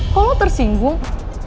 kok lo tersinggung